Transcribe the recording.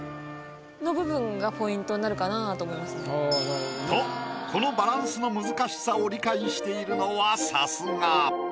特にとこのバランスの難しさを理解しているのはさすが。